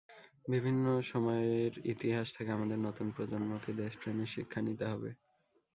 বিভিন্ন সময়ের ইতিহাস থেকে আমাদের নতুন প্রজন্মকে দেশপ্রেমের শিক্ষা নিতে হবে।